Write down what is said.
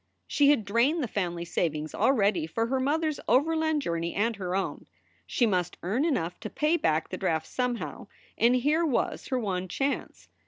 She had drained the family savings already for her mother s overland journey and her own. She must earn enough to pay back the draft somehow; and here was her one chance.